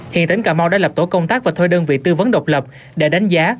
hiện tỉnh cà mau đã lập tổ công tác và thuê đơn vị tư vấn độc lập để đánh giá